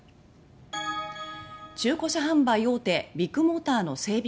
中古車販売大手ビッグモーターの整備